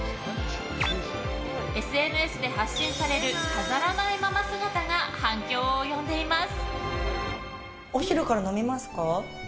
ＳＮＳで発信される飾らないまま姿が反響を呼んでいます。